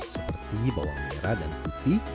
seperti bawang merah dan putih